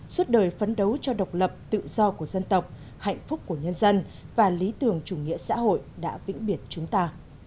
suốt đời phấn đấu cho độc lập tự do của dân tộc hạnh phúc của nhân dân và lý tưởng chủ nghĩa xã hội đã vĩnh biệt chúng ta